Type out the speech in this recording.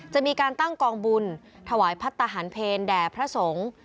จะมีการตั้งกองบุญถวายพัฒนาหารเพลแด่พระสงฆ์